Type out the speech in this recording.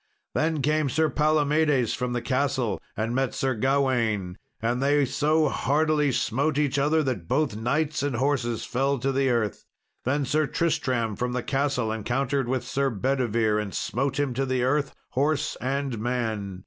Then came Sir Palomedes from the castle, and met Sir Gawain, and they so hardly smote each other, that both knights and horses fell to the earth. Then Sir Tristram, from the castle, encountered with Sir Bedivere, and smote him to the earth, horse and man.